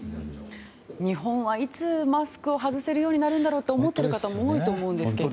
日本は、いつマスクを外せるようになるんだろうと思っている方も多いと思うんですけど。